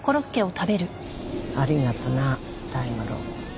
ありがとな大五郎。